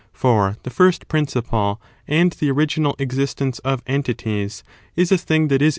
For the first principle, and the motion«°o?the original existence of entities, is a thing that is •tan.